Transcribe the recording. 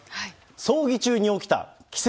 葬儀中に起きた奇跡。